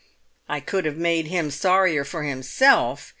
I could have made him sorrier for himself!